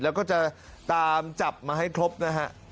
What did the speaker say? แล้วก็จะตามจับมาให้ครบนะฮะ